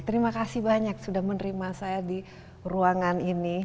terima kasih banyak sudah menerima saya di ruangan ini